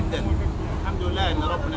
untuk menikmati kota yang berkualitas